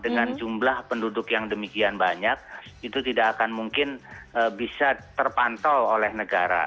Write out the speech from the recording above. dengan jumlah penduduk yang demikian banyak itu tidak akan mungkin bisa terpantau oleh negara